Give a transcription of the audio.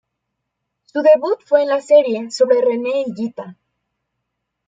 Su debut fue en la serie sobre Rene Higuita.